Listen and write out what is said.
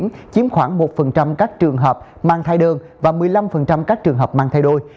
mang thai đơn và một mươi năm các trường hợp mang thai đôi